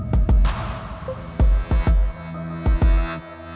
oke makasih ya pak